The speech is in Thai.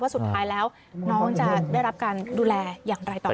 สุดท้ายแล้วน้องจะได้รับการดูแลอย่างไรต่อไป